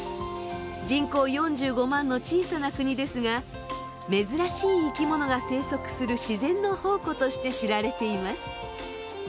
人口４５万の小さな国ですが珍しい生き物が生息する自然の宝庫として知られています。